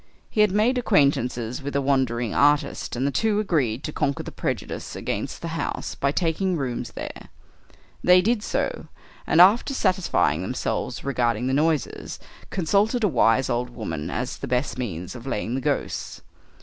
He had made acquaintance with a wandering artist, and the two agreed to conquer the prejudices against the house by taking rooms there. They did so, and after satisfying themselves regarding the noises, consulted a wise old woman as to the best means of laying the ghosts.